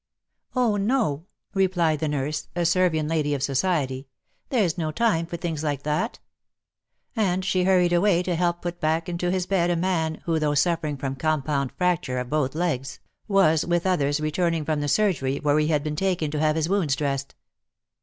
'' Oh no !" replied the nurse — a Servian lady of society —'' there's no time for things like that," — and she hurried away to help put back into his bed a man who, though suffering from compound fracture of both legs, was, with others, returning from the surgery, where he had been taken to have his wounds dressed.